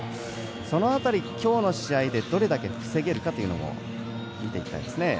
その辺り、今日の試合でどれだけ防げるかというのも見ていきたいですね。